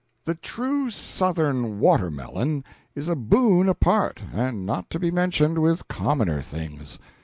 The true Southern watermelon is a boon apart, and not to be mentioned with commoner things.